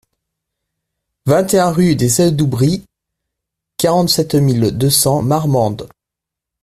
vingt et un rue des Adouberies, quarante-sept mille deux cents Marmande